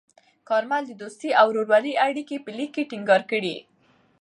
کارمل د دوستۍ او ورورولۍ اړیکې په لیک کې ټینګار کړې.